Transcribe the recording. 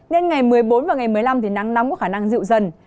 nên ngày một mươi bốn và ngày một mươi năm nắng nóng có khả năng dịu dần